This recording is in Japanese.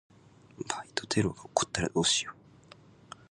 バイオテロが起こったらどうしよう。